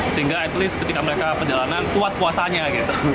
sehingga at least ketika mereka perjalanan kuat puasanya gitu